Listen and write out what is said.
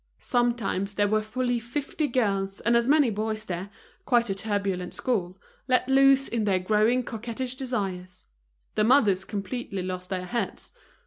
Sometimes there were fully fifty girls and as many boys there, quite a turbulent school, let loose in their growing coquettish desires. The mothers completely lost their heads.